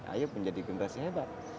ayo menjadi generasi hebat